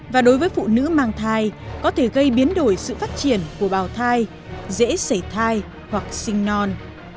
và đối với phụ nữ mang thai có thể gây biến đổi sự phát triển của bào thai dễ xảy thai hoặc sinh non